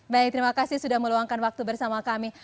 baik terima kasih sudah meluangkan waktu bersama kami